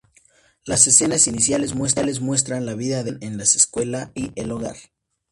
Las escenas iniciales muestran la vida de Aslan en la escuela y el hogar.